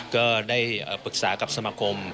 ก็ได้ปรึกษากับสมาคม